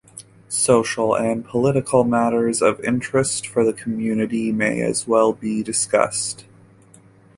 Social and political matters of interest for the community may as well be discussed.